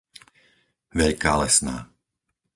Veľká Lesná